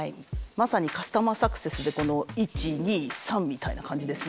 まさにカスタマーサクセスでこの１２３みたいな感じですね。